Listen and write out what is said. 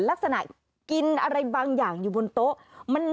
ลักษณะกินอะไรบางอย่างอยู่บนโต๊ะ